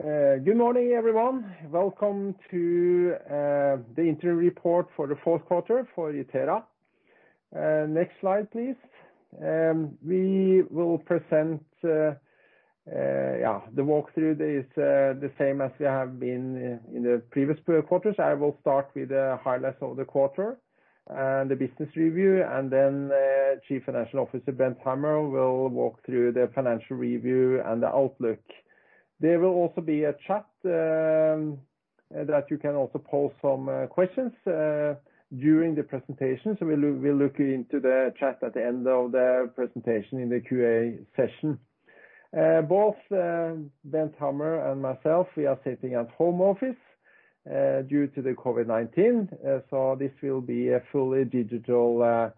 Good morning, everyone. Welcome to the interim report for the fourth quarter for Itera. Next Slide, please. We will present the walkthrough. It's the same as we have been in the previous quarters. I will start with the highlights of the quarter and the business review, and then Chief Financial Officer Bent Hammer will walk through the financial review and the outlook. There will also be a chat that you can also post some questions during the presentation, so we'll look into the chat at the end of the presentation in the Q&A session. Both Bent Hammer and myself, we are sitting at home office due to the COVID-19, so this will be a fully digital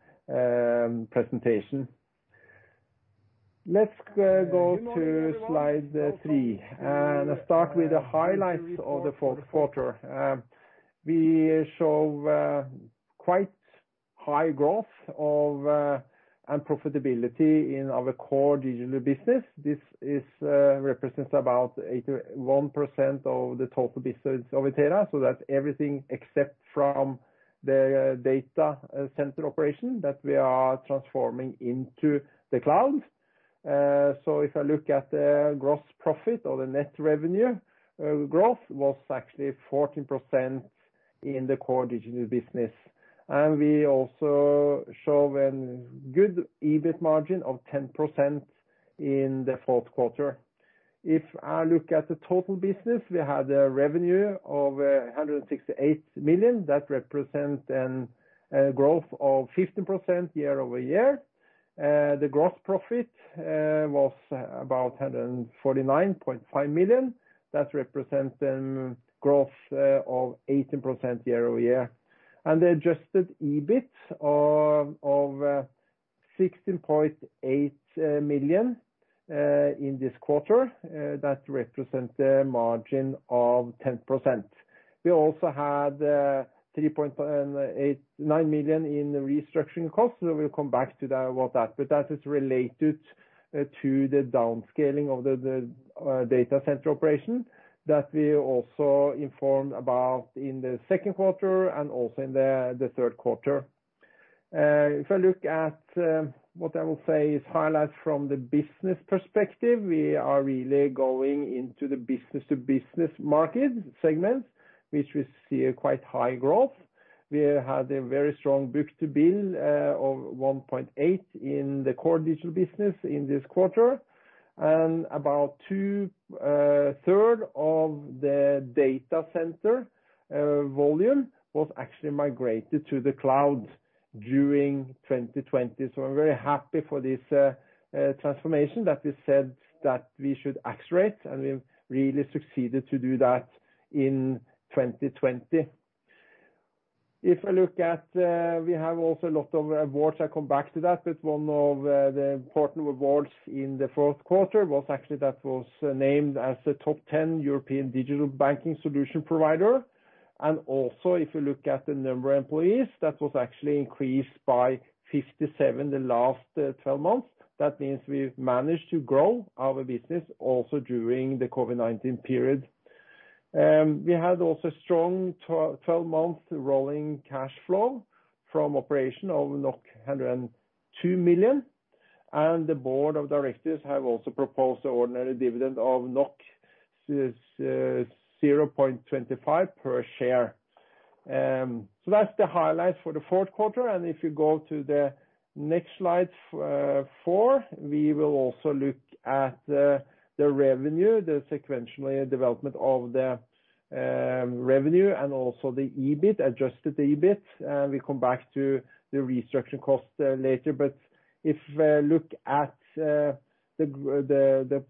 presentation. Let's go to Slide three, and I'll start with the highlights of the fourth quarter. We show quite high growth and profitability in our core digital business. This represents about 81% of the total business of Itera, so that's everything except from the data center operation that we are transforming into the cloud. So if I look at the gross profit or the net revenue growth, it was actually 14% in the core digital business, and we also show a good EBIT margin of 10% in the fourth quarter. If I look at the total business, we had a revenue of 168 million. That represents a growth of 15% year-over-year. The gross profit was about 149.5 million. That represents a growth of 18% year-over-year, and the adjusted EBIT of 16.8 million in this quarter, that represents a margin of 10%. We also had 3.9 million in restructuring costs, so we'll come back to that, but that is related to the downscaling of the data center operation that we also informed about in the second quarter and also in the third quarter. If I look at what I will say is highlights from the business perspective, we are really going into the business-to-business market segment, which we see quite high growth. We had a very strong book-to-bill of 1.8 in the core digital business in this quarter, and about two-thirds of the data center volume was actually migrated to the cloud during 2020. So I'm very happy for this transformation that we said that we should accelerate, and we really succeeded to do that in 2020. If I look at, we have also a lot of awards. I'll come back to that, but one of the important awards in the fourth quarter was actually that was named as the top 10 European digital banking solution provider. And also, if you look at the number of employees, that was actually increased by 57 the last 12 months. That means we've managed to grow our business also during the COVID-19 period. We had also a strong 12-month rolling cash flow from operation of NOK 102 million, and the board of directors have also proposed an ordinary dividend of 0.25 per share. So that's the highlights for the fourth quarter, and if you go to the next Slide four, we will also look at the revenue, the sequential development of the revenue, and also the EBIT, adjusted EBIT. We'll come back to the restructuring costs later, but if I look at the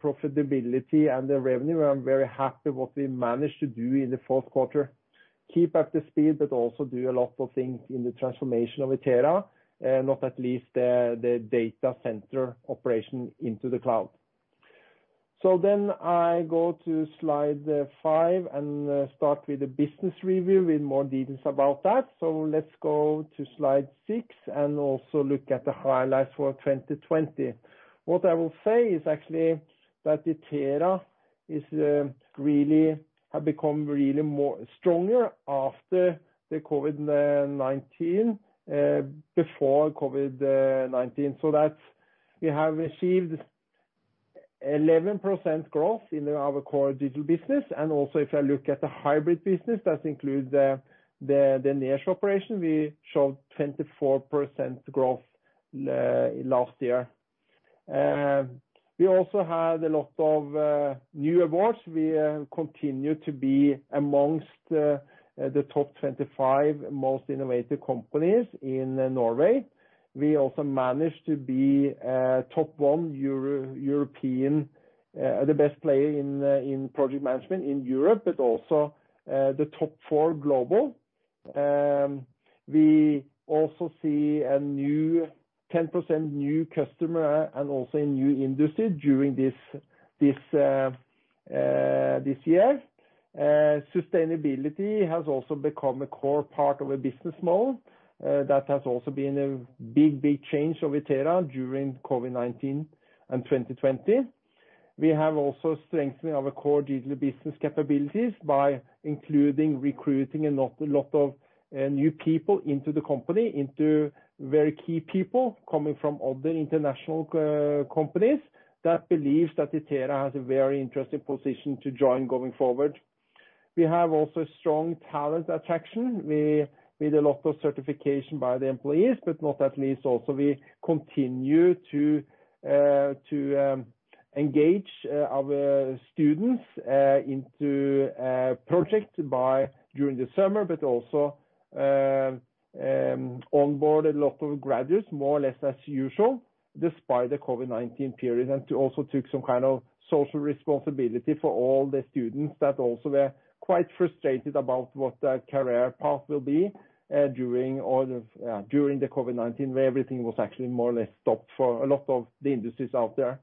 profitability and the revenue, I'm very happy with what we managed to do in the fourth quarter. Keep up the speed, but also do a lot of things in the transformation of Itera, not least the data center operation into the cloud, so then I go to Slide five and start with the business review with more details about that. Let's go to Slide six and also look at the highlights for 2020. What I will say is actually that Itera really has become really stronger after the COVID-19, before COVID-19, so that we have achieved 11% growth in our core digital business, and also if I look at the hybrid business, that includes the nearshore operation, we showed 24% growth last year. We also had a lot of new awards. We continue to be among the top 25 most innovative companies in Norway. We also managed to be number one in Europe or the best player in project management in Europe, but also the top four globally. We also see a new 10% new customer and also a new industry during this year. Sustainability has also become a core part of our business model. That has also been a big, big change of Itera during COVID-19 and 2020. We have also strengthened our core digital business capabilities by recruiting a lot of new people into the company, including very key people coming from other international companies. They believe that Itera has a very interesting position to join going forward. We have also strong talent attraction with a lot of certification by the employees, but not at least also we continue to engage our students into projects during the summer, but also onboard a lot of graduates, more or less as usual, despite the COVID-19 period, and we also took some kind of social responsibility for all the students that also were quite frustrated about what their career path will be during the COVID-19, where everything was actually more or less stopped for a lot of the industries out there,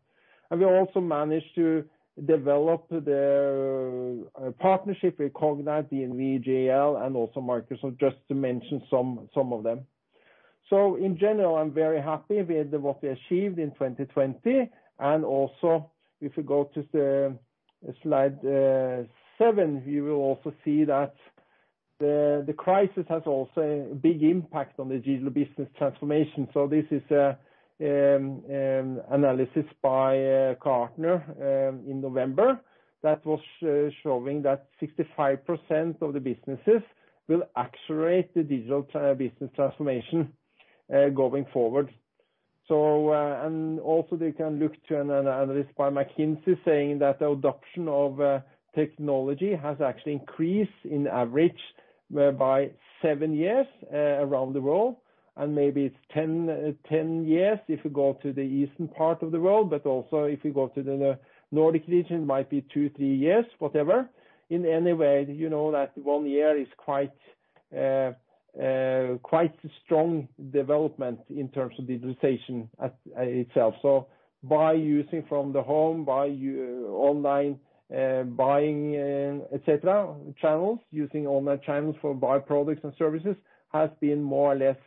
and we also managed to develop the partnership with Cognite and DNV and also Microsoft, just to mention some of them, so in general, I'm very happy with what we achieved in 2020, and also, if we go to Slide seven, you will also see that the crisis has also a big impact on the digital business transformation. This is an analysis by Gartner in November that was showing that 65% of the businesses will accelerate the digital business transformation going forward. Also, you can look to an analyst by McKinsey saying that the adoption of technology has actually increased in average by seven years around the world, and maybe it's 10 years if you go to the eastern part of the world, but also if you go to the Nordic region, it might be two, three years, whatever. In any way, you know that one year is quite a strong development in terms of digitization itself. By using from the home, by online buying, etc., channels, using online channels for buying products and services has been more or less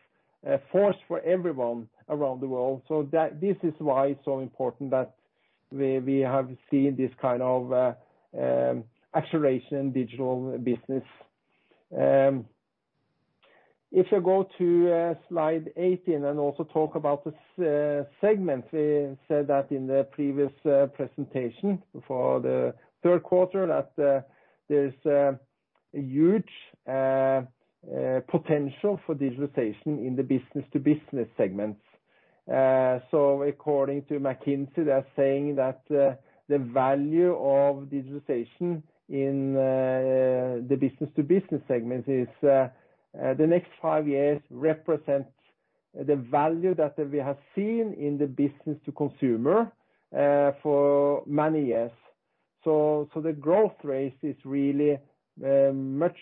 a force for everyone around the world. This is why it's so important that we have seen this kind of acceleration in digital business. If you go to Slide 18 and also talk about the segment, we said that in the previous presentation for the third quarter that there's a huge potential for digitization in the business-to-business segments, so according to McKinsey, they're saying that the value of digitization in the business-to-business segments is the next five years represents the value that we have seen in the business-to-consumer for many years, so the growth rate is really much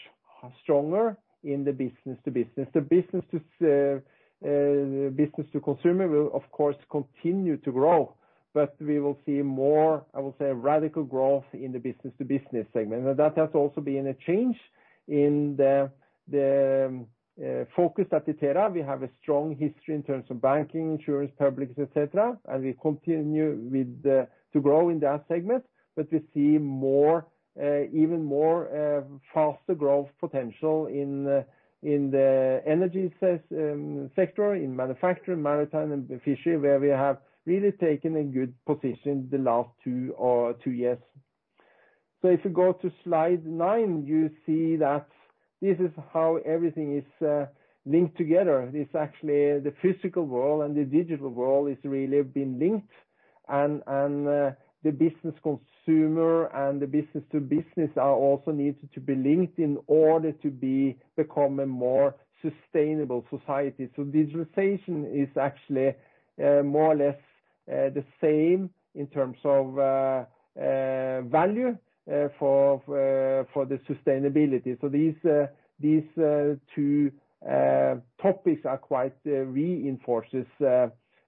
stronger in the business-to-business. The business-to-consumer will, of course, continue to grow, but we will see more, I will say, radical growth in the business-to-business segment, and that has also been a change in the focus at Itera. We have a strong history in terms of banking, insurance, publics, etc., and we continue to grow in that segment, but we see even more faster growth potential in the energy sector, in manufacturing, maritime, and fishery, where we have really taken a good position the last two years. So if you go to Slide nine, you see that this is how everything is linked together. It's actually the physical world and the digital world has really been linked, and the business-consumer and the business-to-business are also needed to be linked in order to become a more sustainable society. So digitalization is actually more or less the same in terms of value for the sustainability. So these two topics are quite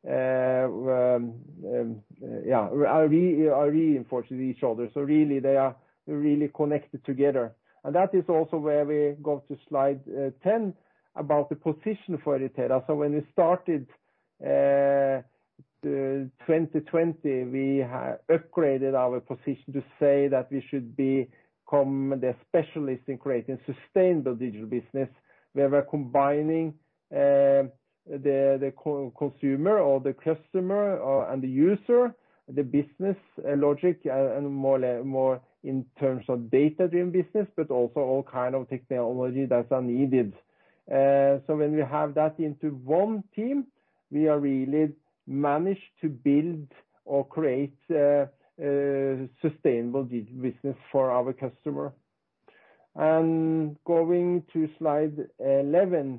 reinforcing each other. So really, they are really connected together, and that is also where we go to Slide 10 about the position for Itera. So when we started 2020, we upgraded our position to say that we should become the specialist in creating sustainable digital business, where we're combining the consumer or the customer and the user, the business logic, and more in terms of data-driven business, but also all kinds of technology that are needed. So when we have that into one team, we are really managed to build or create sustainable digital business for our customer. And going to Slide 11,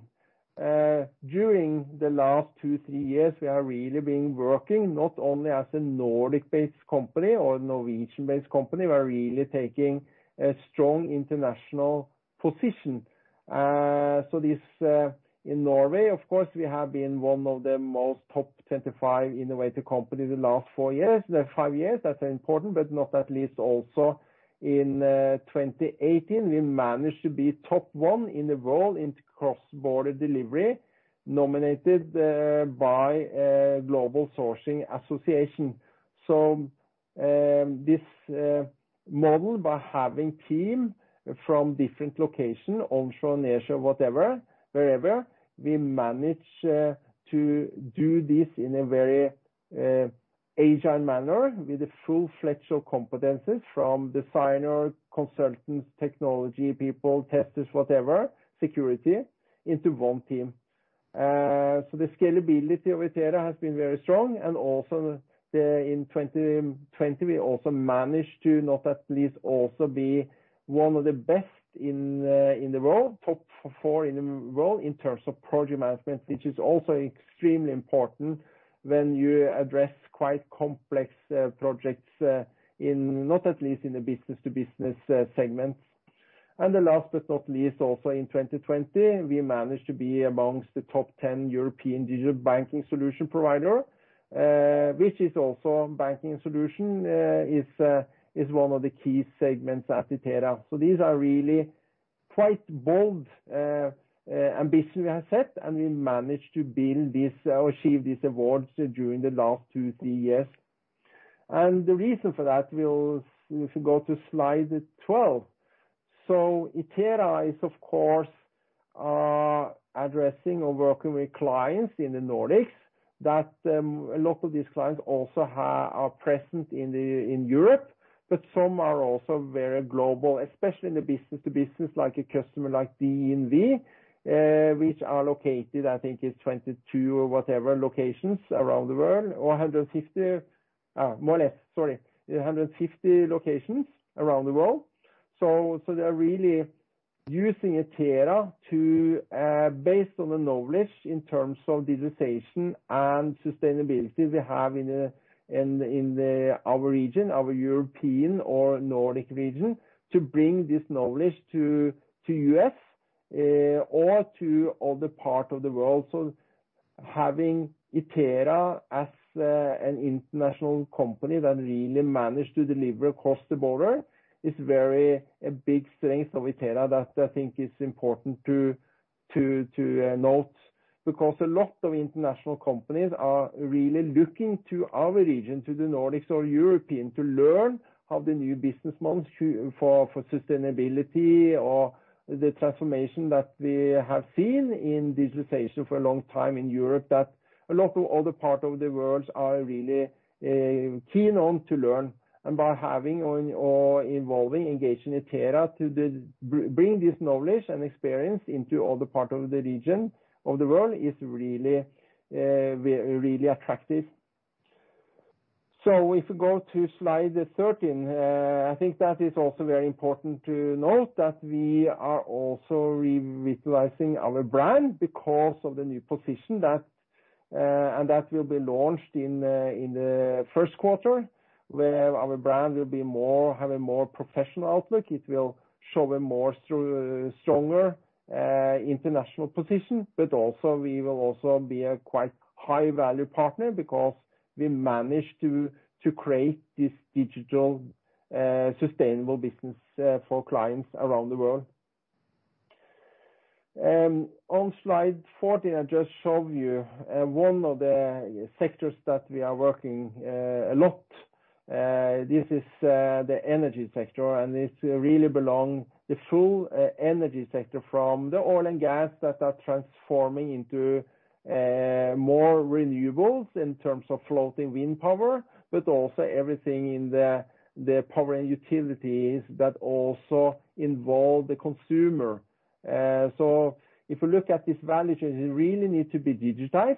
during the last two, three years, we are really being working not only as a Nordic-based company or a Norwegian-based company. We are really taking a strong international position. So in Norway, of course, we have been one of the most top 25 innovative companies in the last five years. That's important, but not at least also in 2018, we managed to be top one in the world in cross-border delivery, nominated by Global Sourcing Association. So this model, by having a team from different locations, onshore, nearshore, whatever, wherever, we manage to do this in a very agile manner with the full flex of competencies from designers, consultants, technology people, testers, whatever, security, into one team. So the scalability of Itera has been very strong. And also in 2020, we also managed to not at least also be one of the best in the world, top four in the world in terms of project management, which is also extremely important when you address quite complex projects, not at least in the business-to-business segment. Last but not least, also in 2020, we managed to be amongst the top 10 European digital banking solution providers, which is also banking solution is one of the key segments at Itera. These are really quite bold ambitions we have set, and we managed to achieve these awards during the last two, three years. The reason for that, if we go to Slide 12, so Itera is, of course, addressing or working with clients in the Nordics that a lot of these clients also are present in Europe, but some are also very global, especially in the business-to-business, like a customer like DNV, which are located, I think, in 22 or whatever locations around the world, or 150, more or less, sorry, 150 locations around the world. So they are really using Itera based on the knowledge in terms of digitization and sustainability we have in our region, our European or Nordic region, to bring this knowledge to the U.S. or to other parts of the world. So having Itera as an international company that really managed to deliver across the border is a very big strength of Itera that I think is important to note because a lot of international companies are really looking to our region, to the Nordics or European, to learn how the new business models for sustainability or the transformation that we have seen in digitization for a long time in Europe that a lot of other parts of the world are really keen on to learn. And by having or involving engaging Itera to bring this knowledge and experience into other parts of the region of the world is really attractive. So if we go to Slide 13, I think that is also very important to note that we are also revitalizing our brand because of the new position that will be launched in the first quarter, where our brand will have a more professional outlook. It will show a more stronger international position, but also we will also be a quite high-value partner because we managed to create this digital sustainable business for clients around the world. On Slide 14, I just showed you one of the sectors that we are working a lot. This is the energy sector, and it really belongs to the full energy sector from the oil and gas that are transforming into more renewables in terms of floating wind power, but also everything in the power and utilities that also involve the consumer. If we look at this value, it really needs to be digitized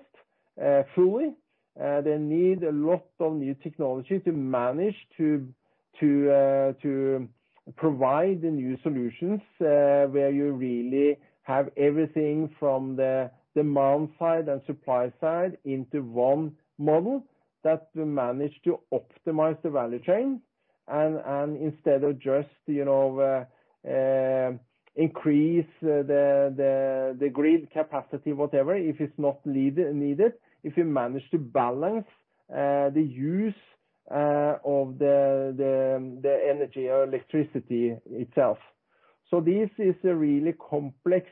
fully. They need a lot of new technology to manage to provide the new solutions where you really have everything from the demand side and supply side into one model that will manage to optimize the value chain. Instead of just increasing the grid capacity, whatever, if it's not needed, if you manage to balance the use of the energy or electricity itself. This is a really complex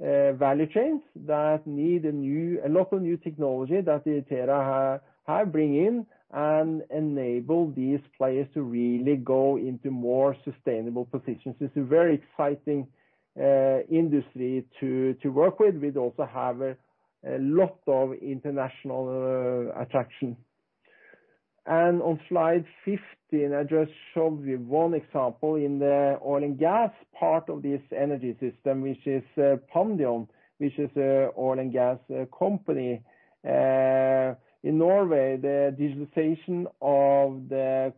value chain that needs a lot of new technology that Itera brings in and enables these players to really go into more sustainable positions. It's a very exciting industry to work with. We also have a lot of international attraction. And on Slide 15, I just showed you one example in the oil and gas part of this energy system, which is Pandion, which is an oil and gas company. In Norway, the digitization of the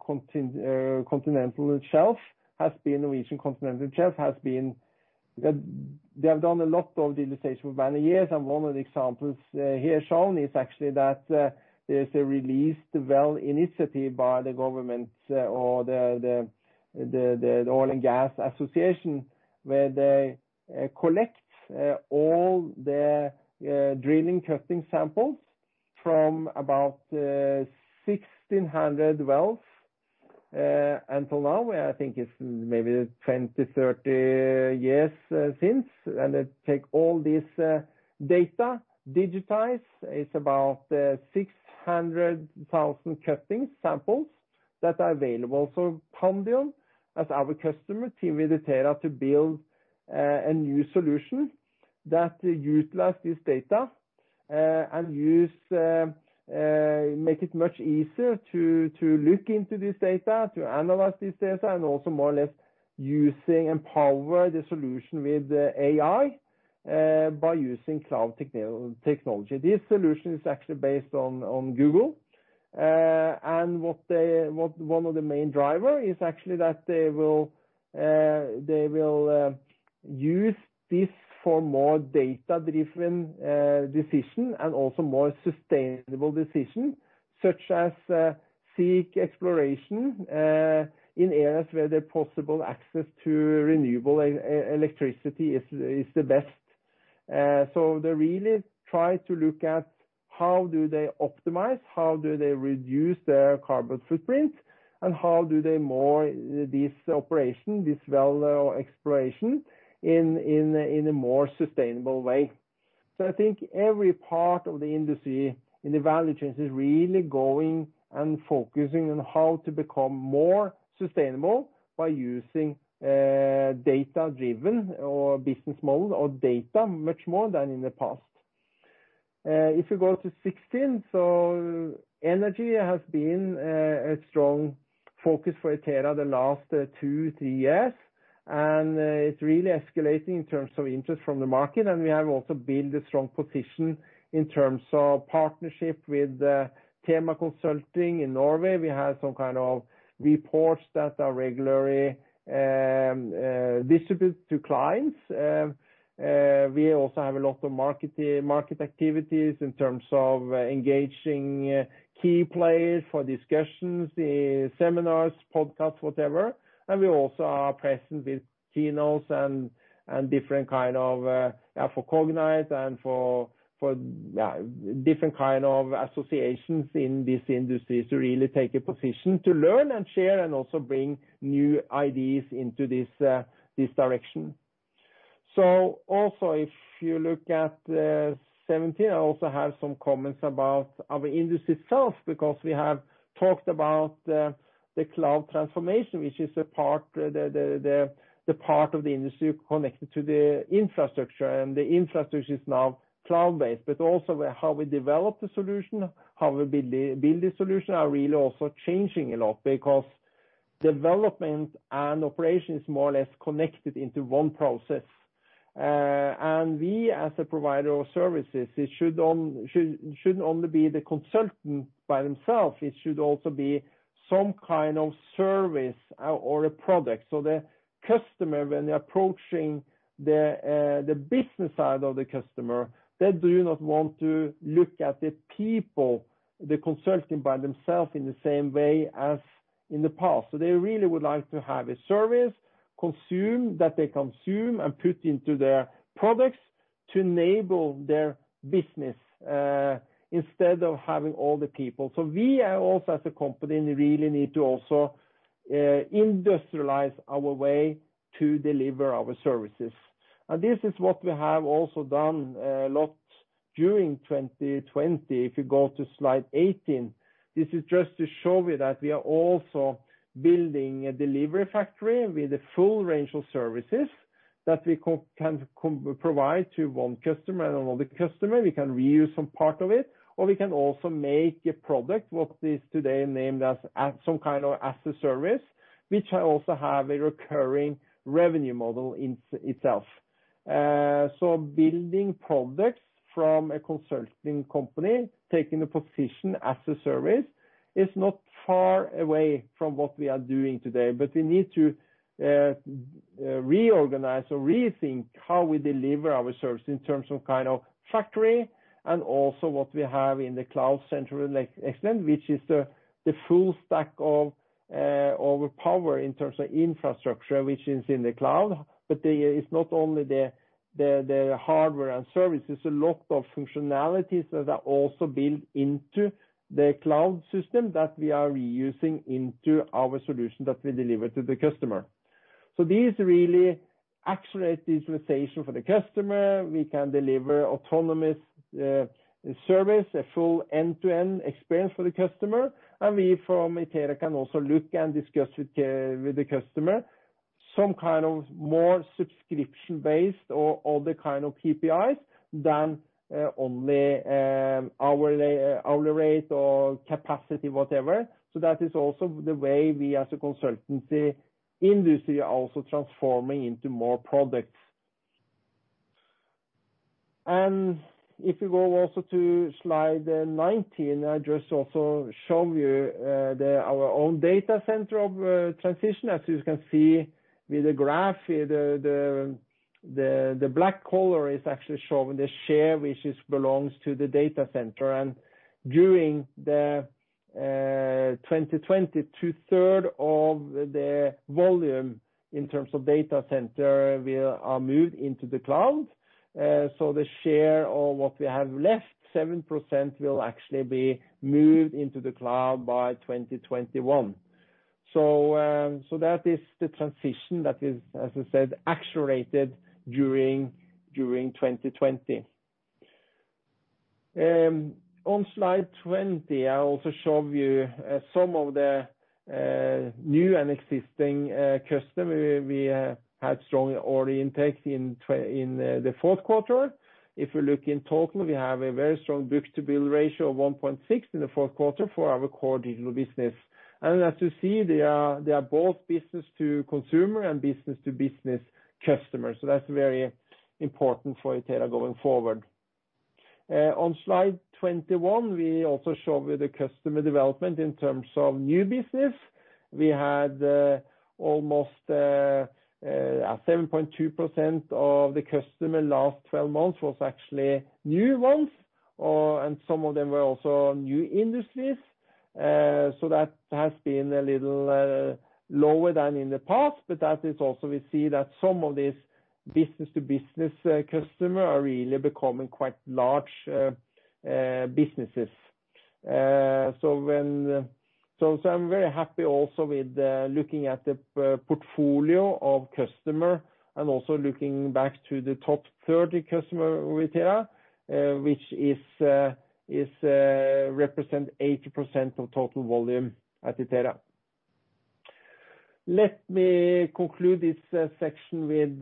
continental shelf has been. They have done a lot of digitization for many years. And one of the examples here shown is actually that there's a Released Wells initiative by the government or the oil and gas association where they collect all the drilling cuttings samples from about 1,600 wells. Until now, I think it's maybe 20, 30 years since. And they take all this data, digitize. It's about 600,000 cutting samples that are available. Pandion, as our customer, came with Itera to build a new solution that utilized this data and make it much easier to look into this data, to analyze this data, and also more or less using and power the solution with AI by using cloud technology. This solution is actually based on Google. One of the main drivers is actually that they will use this for more data-driven decisions and also more sustainable decisions, such as seek exploration in areas where there's possible access to renewable electricity is the best. They really try to look at how do they optimize, how do they reduce their carbon footprint, and how do they move this operation, this well exploration in a more sustainable way. I think every part of the industry in the value chain is really going and focusing on how to become more sustainable by using data-driven or business model or data much more than in the past. If you go to 16, energy has been a strong focus for Itera the last two, three years, and it's really escalating in terms of interest from the market. We have also built a strong position in terms of partnership with Thema Consulting in Norway. We have some kind of reports that are regularly distributed to clients. We also have a lot of market activities in terms of engaging key players for discussions, seminars, podcasts, whatever. And we also are present with keynotes and different kinds of for Cognite and for different kinds of associations in this industry to really take a position to learn and share and also bring new ideas into this direction. So also, if you look at 17, I also have some comments about our industry itself because we have talked about the cloud transformation, which is a part of the industry connected to the infrastructure. And the infrastructure is now cloud-based, but also how we develop the solution, how we build the solution are really also changing a lot because development and operation is more or less connected into one process. And we, as a provider of services, it shouldn't only be the consultant by themselves. It should also be some kind of service or a product. So the customer, when they're approaching the business side of the customer, they do not want to look at the people, the consultant by themselves, in the same way as in the past. So they really would like to have a service, consume, that they consume and put into their products to enable their business instead of having all the people. So we also, as a company, really need to also industrialize our way to deliver our services. And this is what we have also done a lot during 2020. If you go to Slide 18, this is just to show you that we are also building a delivery factory with a full range of services that we can provide to one customer and another customer. We can reuse some part of it, or we can also make a product, what is today named as some kind of as a service, which also has a recurring revenue model itself. So building products from a consulting company, taking the position as a service is not far away from what we are doing today, but we need to reorganize or rethink how we deliver our service in terms of kind of factory and also what we have in the Cloud Center of Excellence, which is the full stack of our power in terms of infrastructure, which is in the cloud. But it's not only the hardware and services. There's a lot of functionalities that are also built into the cloud system that we are reusing into our solution that we deliver to the customer. So these really accelerate digitalization for the customer. We can deliver autonomous service, a full end-to-end experience for the customer. And we from Itera can also look and discuss with the customer some kind of more subscription-based or other kind of KPIs than only our rate or capacity, whatever. So that is also the way we, as a consultancy industry, are also transforming into more products. And if you go also to Slide 19, I just also show you our own data center of transition, as you can see with the graph. The black color is actually showing the share which belongs to the Data Center. And during 2020, two-thirds of the volume in terms of data center are moved into the cloud. So the share of what we have left, 7%, will actually be moved into the cloud by 2021. So that is the transition that is, as I said, accelerated during 2020. On Slide 20, I also show you some of the new and existing customers. We had strong order intake in the fourth quarter. If we look in total, we have a very strong book-to-bill ratio of 1.6 in the fourth quarter for our core digital business. And as you see, there are both business-to-consumer and business-to-business customers. So that's very important for Itera going forward. On Slide 21, we also show you the customer development in terms of new business. We had almost 7.2% of the customers last 12 months was actually new ones, and some of them were also new industries. So that has been a little lower than in the past, but that is also we see that some of these business-to-business customers are really becoming quite large businesses. I'm very happy also with looking at the portfolio of customers and also looking back to the top 30 customers with Itera, which represents 80% of total volume at Itera. Let me conclude this section with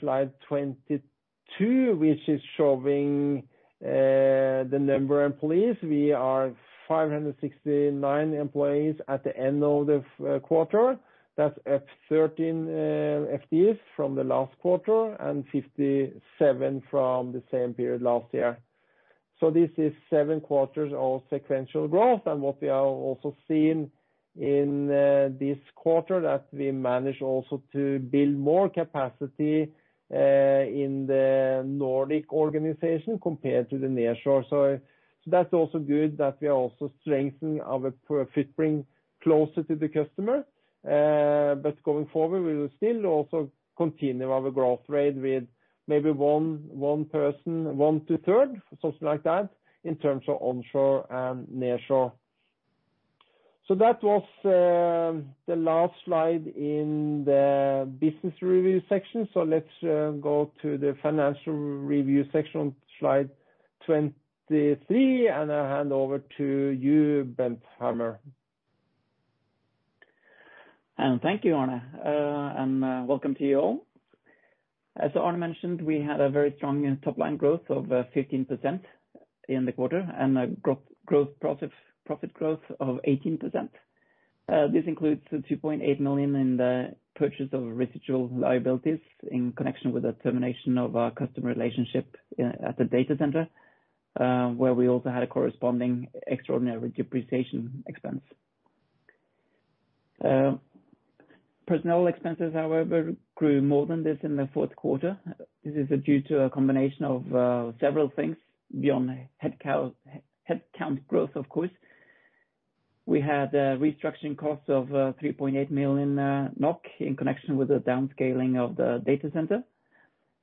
Slide 22, which is showing the number of employees. We are 569 employees at the end of the quarter. That's 13 FTEs from the last quarter and 57 from the same period last year. This is seven quarters of sequential growth. What we are also seeing in this quarter is that we managed also to build more capacity in the Nordic organization compared to the nearshore. That's also good that we are also strengthening our footprint closer to the customer. Going forward, we will still also continue our growth rate with maybe one- to two-thirds, something like that, in terms of onshore and nearshore. So that was the last Slide in the business review section. So let's go to the financial review section on Slide 23, and I'll hand over to you, Bent Hammer. Thank you, Arne. Welcome to you all. As Arne mentioned, we had a very strong top-line growth of 15% in the quarter and a gross profit growth of 18%. This includes 2.8 million in the purchase of residual liabilities in connection with the termination of our customer relationship at the data center, where we also had a corresponding extraordinary depreciation expense. Personnel expenses, however, grew more than this in the fourth quarter. This is due to a combination of several things beyond headcount growth, of course. We had restructuring costs of 3.8 million NOK in connection with the downscaling of the data center.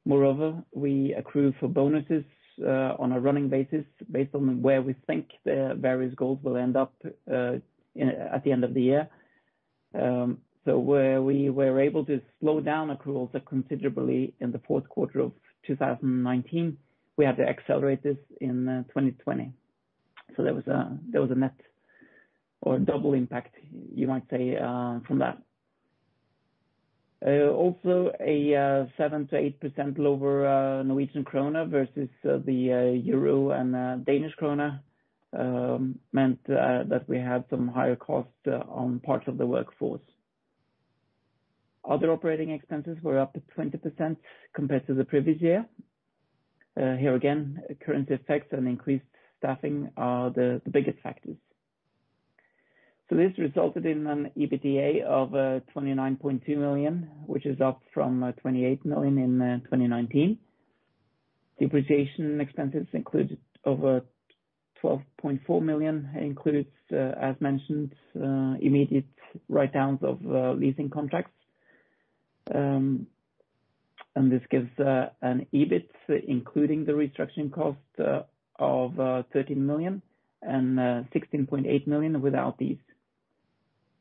Moreover, we accrued for bonuses on a running basis based on where we think the various goals will end up at the end of the year. We were able to slow down accruals considerably in the fourth quarter of 2019. We had to accelerate this in 2020. So there was a net or double impact, you might say, from that. Also, a 7%-8% lower Norwegian krone versus the euro and Danish krone meant that we had some higher costs on parts of the workforce. Other operating expenses were up 20% compared to the previous year. Here again, current effects and increased staffing are the biggest factors. So this resulted in an EBITDA of 29.2 million, which is up from 28 million in 2019. Depreciation expenses included over 12.4 million. It includes, as mentioned, immediate write-downs of leasing contracts. And this gives an EBIT, including the restructuring cost, of 13 million and 16.8 million without these.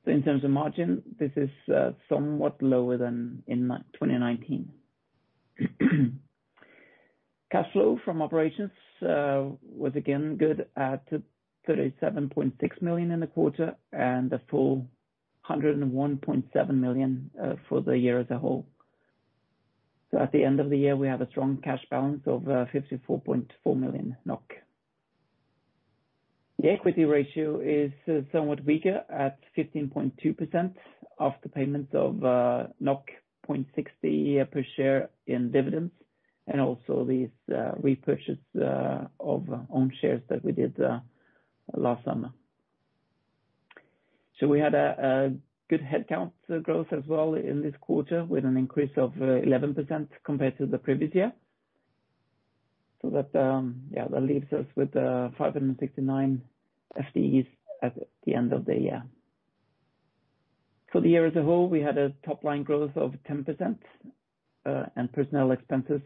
So in terms of margin, this is somewhat lower than in 2019. Cash flow from operations was, again, good at 37.6 million in the quarter and a full 101.7 million for the year as a whole. So at the end of the year, we have a strong cash balance of 54.4 million NOK. The equity ratio is somewhat weaker at 15.2% after payments of 0.60 per share in dividends and also the repurchase of own shares that we did last summer. So we had a good headcount growth as well in this quarter with an increase of 11% compared to the previous year. So that leaves us with 569 FTEs at the end of the year. For the year as a whole, we had a top-line growth of 10%, and personnel expenses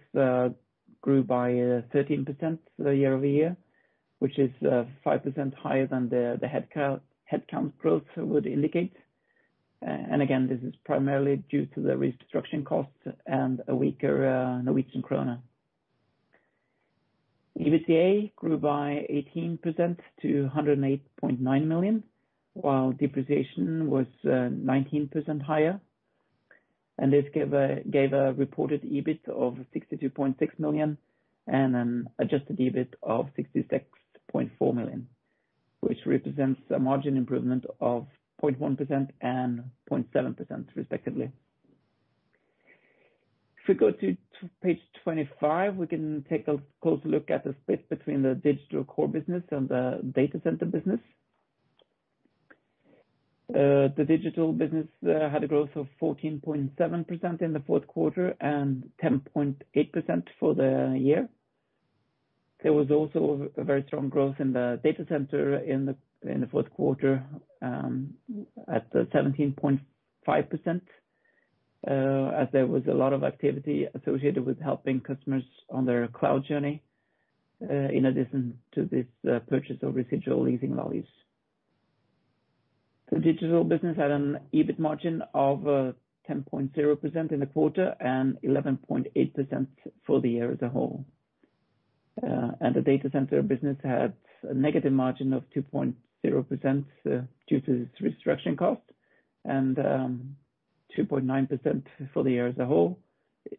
grew by 13% year-over-year, which is 5% higher than the headcount growth would indicate. Again, this is primarily due to the restructuring costs and a weaker Norwegian krone. EBITDA grew by 18% to 108.9 million, while depreciation was 19% higher. This gave a reported EBIT of 62.6 million and an adjusted EBIT of 66.4 million, which represents a margin improvement of 0.1% and 0.7%, respectively. If we go to Page 25, we can take a closer look at the split between the digital core business and the data center business. The digital business had a growth of 14.7% in the fourth quarter and 10.8% for the year. There was also a very strong growth in the data center in the fourth quarter at 17.5%, as there was a lot of activity associated with helping customers on their cloud journey in addition to this purchase of residual leasing values. The digital business had an EBIT margin of 10.0% in the quarter and 11.8% for the year as a whole. The data center business had a negative margin of 2.0% due to this restructuring cost and 2.9% for the year as a whole,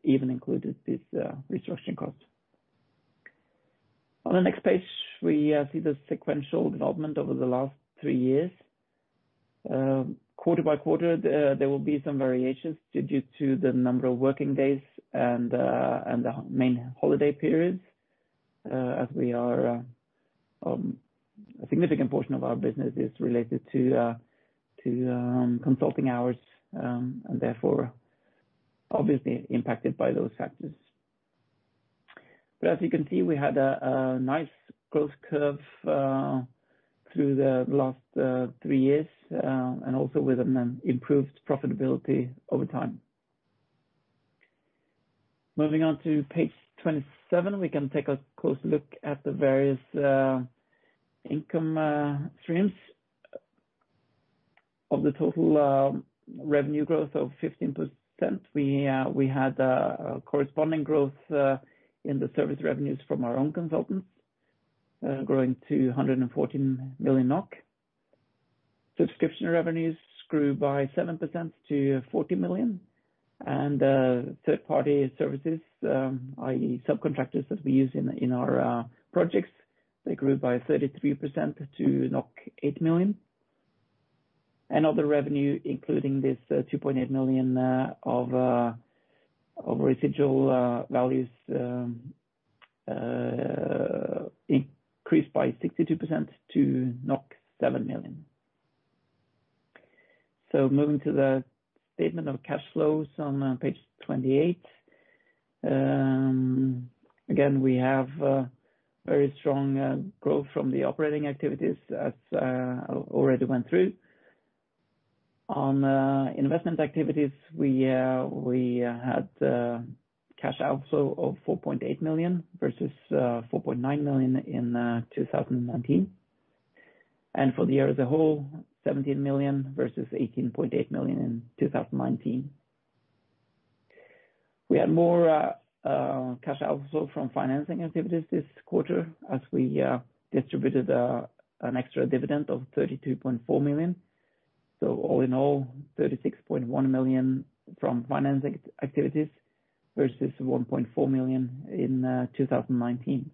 even including this restructuring cost. On the next page, we see the sequential development over the last three years. Quarter by quarter, there will be some variations due to the number of working days and the main holiday periods, as a significant portion of our business is related to consulting hours and therefore obviously impacted by those factors. As you can see, we had a nice growth curve through the last three years and also with an improved profitability over time. Moving on to Page 27, we can take a closer look at the various income streams. Of the total revenue growth of 15%, we had corresponding growth in the service revenues from our own consultants, growing to 114 million NOK. Subscription revenues grew by 7% to 40 million. And third-party services, i.e., subcontractors that we use in our projects, they grew by 33% to 8 million. And other revenue, including this 2.8 million of residual values, increased by 62% to 7 million. So moving to the statement of cash flows on Page 28, again, we have very strong growth from the operating activities, as I already went through. On investment activities, we had cash outflow of 4.8 million versus 4.9 million in 2019. And for the year as a whole, 17 million versus 18.8 million in 2019. We had more cash outflow from financing activities this quarter as we distributed an extra dividend of 32.4 million. So all in all, 36.1 million from financing activities versus 1.4 million in 2019.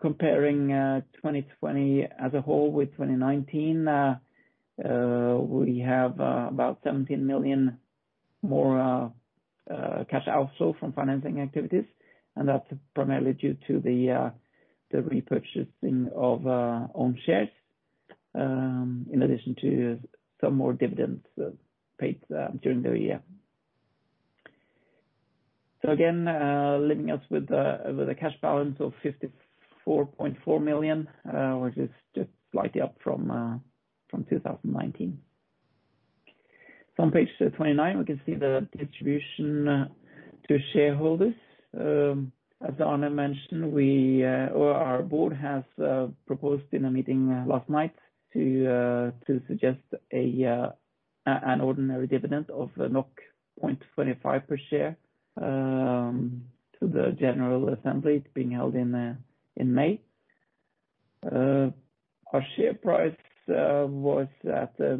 Comparing 2020 as a whole with 2019, we have about 17 million more cash outflow from financing activities. And that's primarily due to the repurchasing of own shares in addition to some more dividends paid during the year. So again, leaving us with a cash balance of 54.4 million, which is just slightly up from 2019. So on Page 29, we can see the distribution to shareholders. As Arne mentioned, our board has proposed in a meeting last night to suggest an ordinary dividend of 0.25 per share to the general assembly being held in May. Our share price was at 15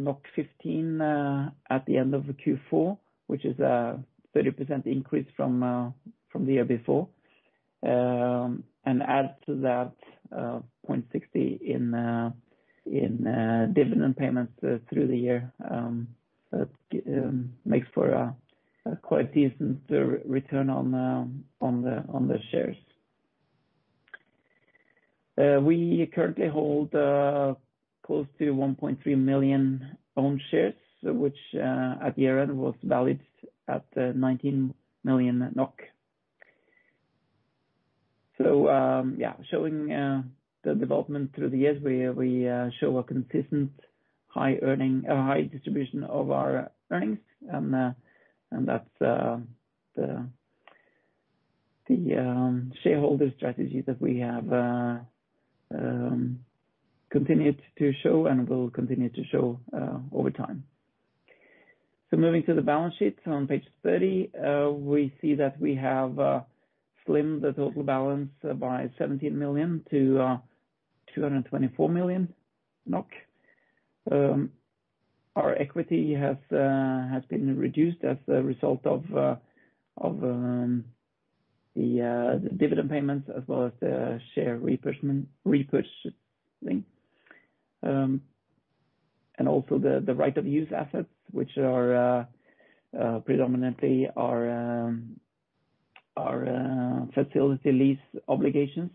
at the end of Q4, which is a 30% increase from the year before. And add to that 0.60 in dividend payments through the year. That makes for a quite decent return on the shares. We currently hold close to 1.3 million own shares, which at year-end was valued at 19 million NOK, so yeah, showing the development through the years, we show a consistent high distribution of our earnings, and that's the shareholder strategy that we have continued to show and will continue to show over time, so moving to the balance sheet, on Page 30, we see that we have slimmed the total balance by 17 million to 224 million NOK. Our equity has been reduced as a result of the dividend payments as well as the share repurchasing, and also the right-of-use assets, which predominantly are facility lease obligations,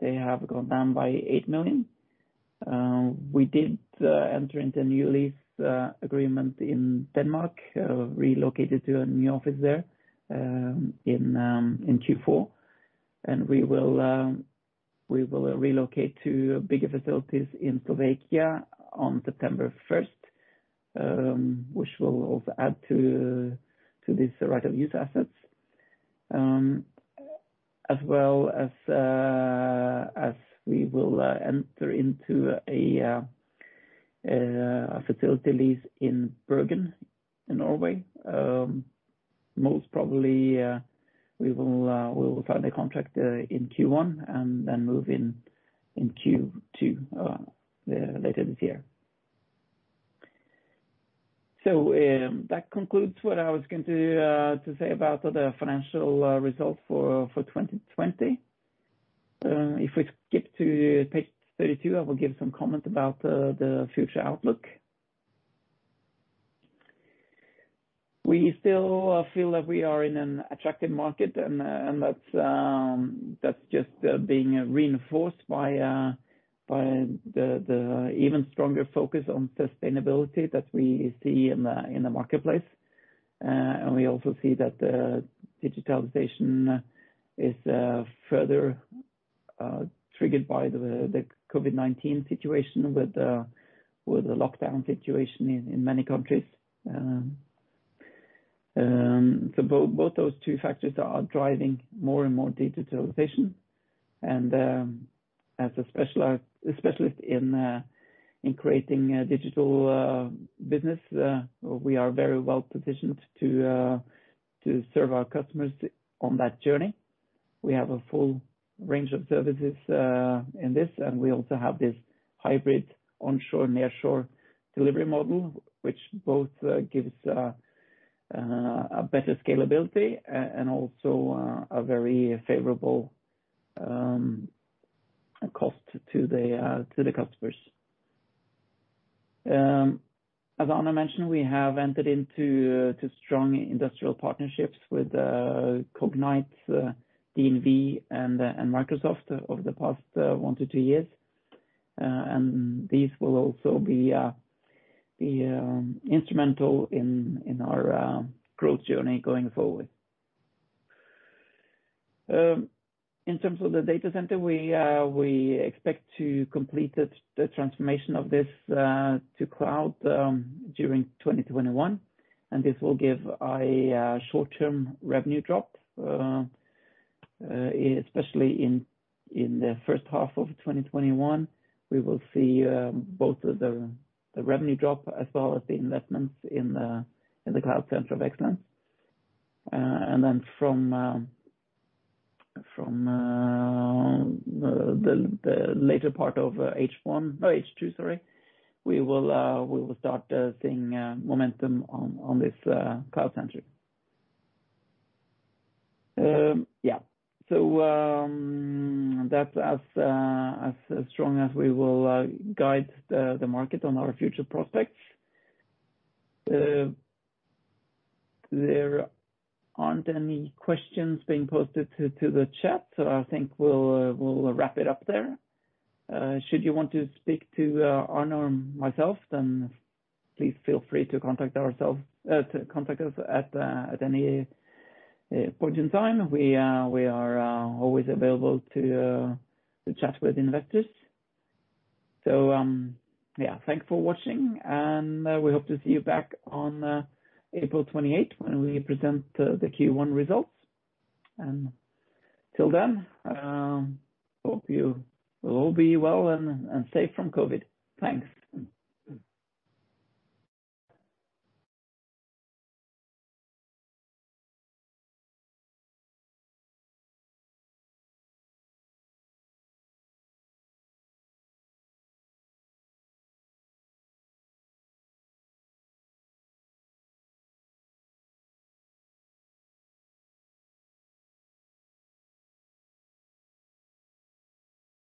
they have gone down by 8 million. We did enter into a new lease agreement in Denmark, relocated to a new office there in Q4. And we will relocate to bigger facilities in Slovakia on September 1st, which will also add to these right-of-use assets. As well as we will enter into a facility lease in Bergen, in Norway. Most probably, we will sign a contract in Q1 and then move in Q2 later this year. So that concludes what I was going to say about the financial results for 2020. If we skip to Page 32, I will give some comments about the future outlook. We still feel that we are in an attractive market, and that's just being reinforced by the even stronger focus on sustainability that we see in the marketplace. And we also see that digitalization is further triggered by the COVID-19 situation with the lockdown situation in many countries. So both those two factors are driving more and more digitalization. As a specialist in creating digital business, we are very well positioned to serve our customers on that journey. We have a full range of services in this, and we also have this hybrid onshore/nearshore delivery model, which both gives better scalability and also a very favorable cost to the customers. As Arne mentioned, we have entered into strong industrial partnerships with Cognite, DNV, and Microsoft over the past one to two years. These will also be instrumental in our growth journey going forward. In terms of the data center, we expect to complete the transformation of this to cloud during 2021. This will give a short-term revenue drop, especially in the first half of 2021. We will see both the revenue drop as well as the investments in the Cloud Center of Excellence. And then from the later part of H1, no, H2, sorry, we will start seeing momentum on this cloud center. Yeah. So that's as strong as we will guide the market on our future prospects. There aren't any questions being posted to the chat, so I think we'll wrap it up there. Should you want to speak to Arne or myself, then please feel free to contact us at any point in time. We are always available to chat with investors. So yeah, thanks for watching, and we hope to see you back on April 28 when we present the Q1 results. And till then, hope you will all be well and safe from COVID. Thanks.